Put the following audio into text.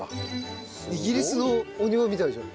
イギリスのお庭みたいじゃん。